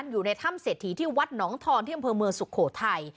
อยู่ในถ้ำเศรษฐีที่วัดหนองทอนที่อำเภอเมืองสุโขทัย